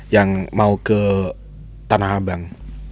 yang mau ke tanah abang